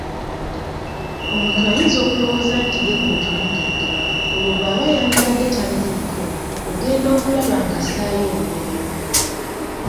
Omuntu ayinza okulowooza nti ye gw'otunuulidde olwo bw'aba yandibadde tabiriiko, ogenda okula ng'assaayo omwoyo.